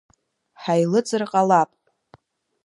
Ҳаилыҵыр ҟалап!